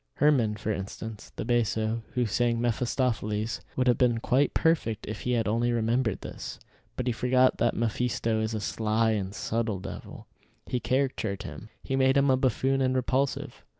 Hermann, for instance, the basso, who sang Mephistopheles, would have been quite perfect if he had only remembered this. But he forgot that Mephisto is a sly and subtle devil. He caricatured him. He made him a buffoon and repulsive.